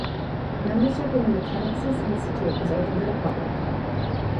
Membership in the Mechanics' Institute is open to the public.